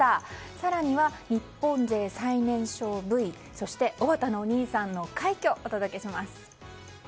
更には日本勢最年少Ｖそしておばたのお兄さんの快挙をお届けします。